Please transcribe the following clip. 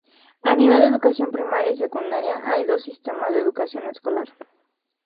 A nivel de educación primaria y secundaria, hay dos sistemas de educación escolar.